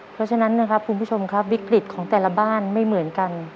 เพราะฉะนั้นนะครับคุณผู้ชมครับวิกฤตของแต่ละบ้านไม่เหมือนกัน